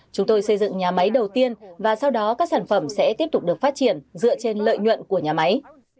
chúng tôi xây dựng nhà máy đầu tiên và sau đó các sản phẩm sẽ tiếp tục được phát triển dựa trên lợi nhuận của nhà máy